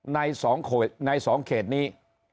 ในสองเขตนี้